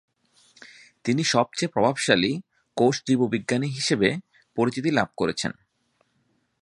তিনি সবচেয়ে প্রভাবশালী কোষ জীববিজ্ঞানী হিসেবে পরিচিতি লাভ করেছেন।